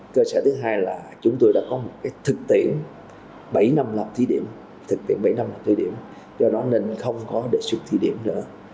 cơ sở thứ hai là chúng tôi đã có một thực tiễn bảy năm lập thí điểm do đó nên không có đề xuất thí điểm nữa